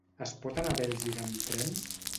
Es pot anar a Bèlgida amb tren?